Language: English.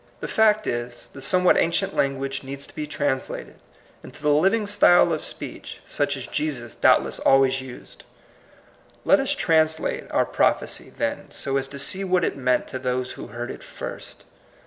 The fact is, thd somewhat ancient lan guage needs to be translated into the living style of speech such as Jesus doubtless always used. Let us translate our proph ecy, then, so as to see what it meant to those who heard it first.